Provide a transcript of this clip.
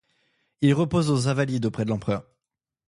Il repose aux Invalides auprès de l’Empereur.